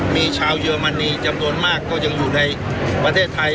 มีชาวเยอรมนีจำนวนมากก็ยังอยู่ในประเทศไทย